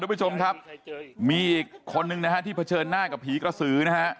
ผู้ชมครับมีอีกคนนึงนะฮะที่เผชิญหน้ากับผีกระสือนะฮะ